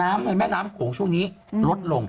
ในแม่น้ำโขงช่วงนี้ลดลง